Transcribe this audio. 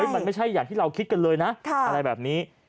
มันไม่ใช่อย่างที่เราคิดกันเลยนะอะไรแบบนี้